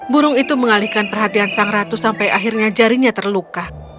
burung itu mengalihkan perhatian sang ratu sampai akhirnya jarinya terluka